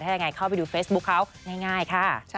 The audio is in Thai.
ถ้ายังไงเข้าไปดูเฟซบุ๊คเขาง่ายค่ะ